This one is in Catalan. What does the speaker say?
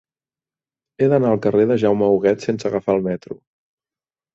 He d'anar al carrer de Jaume Huguet sense agafar el metro.